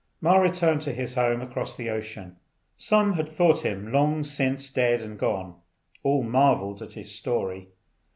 Ma returned to his home across the ocean. Some had thought him long since dead and gone; all marvelled at his story.